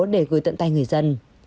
để gửi tận tay người dân